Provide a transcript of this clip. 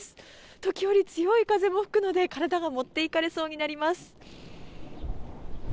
時折、強い風も吹くので体が持っていかれそうになります。